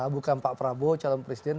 bukan pak prabowo calon presiden